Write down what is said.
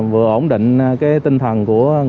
vừa ổn định tinh thần của người thân